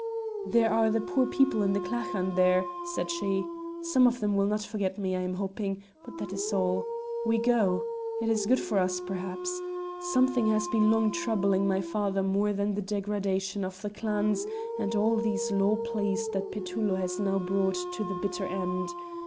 "There are the poor people in the clachan there," said she; "some of them will not forget me I am hoping, but that is all. We go. It is good for us, perhaps. Something has been long troubling my father more than the degradation of the clans and all these law pleas that Petullo has now brought to the bitter end.